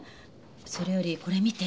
それよりこれ見て。